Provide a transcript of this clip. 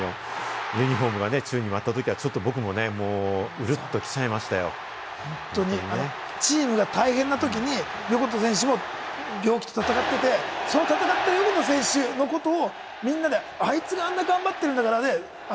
背番号２４・ユニホームが宙に舞った時には僕もチームが大変なときに横田選手、病気と闘っていてその闘った横田選手のことを、みんなが、あいつがあんだけ頑張ってるんだからって。